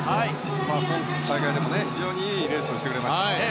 今大会でも、非常にいいレースをしてくれましたね。